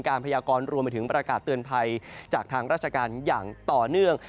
พยากรรวมไปถึงประกาศเตือนภัยจากทางราชการอย่างต่อเนื่อง